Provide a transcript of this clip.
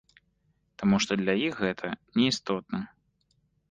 Таму што для іх гэта неістотна.